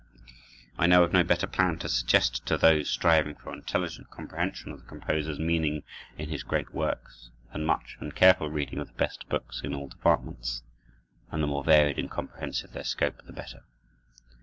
I know of no better plan to suggest to those striving for an intelligent comprehension of the composer's meaning in his great works than much and careful reading of the best books in all departments, and the more varied and comprehensive their scope the better.